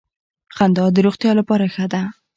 خندا د روغتیا لپاره ښه ده